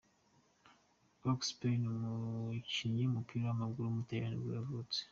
Luca Spinetti, umukinnyi w’umupira w’amaguru w’umutaliyani nibwo yavutse.